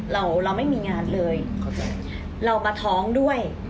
เราเราไม่มีงานเลยเรามาท้องด้วย